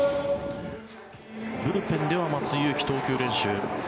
ブルペンでは松井裕樹が投球練習。